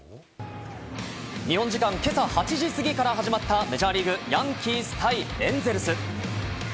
日本時間、今朝８時すぎから始まった、メジャーリーグ・ヤンキース対エンゼルス。